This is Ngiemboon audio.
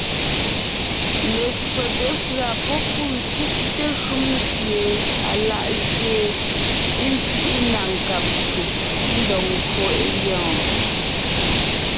Letsóte pʉ̀a pɔ́ pû cúʼte shúm sie alá’ gẅeen, ńkẅiʼi na nkáb ncùb, ńdɔg ńgÿo é gyɔ́ɔn.